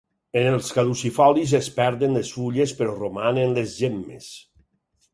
En els caducifolis es perden les fulles però romanen les gemmes.